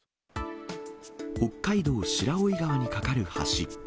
北海道白老川に架かる橋。